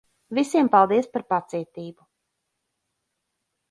Visiem, paldies par pacietību.